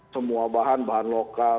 semua bahan bahan lokal